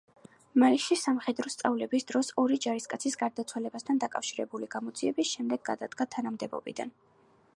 მალიში სამხედრო სწავლების დროს ორი ჯარისკაცის გარდაცვალებასთან დაკავშირებული გამოძიების შემდეგ გადადგა თანამდებობიდან.